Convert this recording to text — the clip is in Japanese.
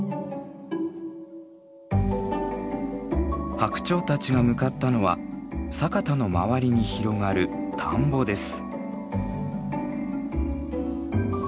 ハクチョウたちが向かったのは佐潟の周りに広がる田んぼです。